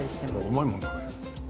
うまいもんだね。